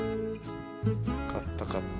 買った買った。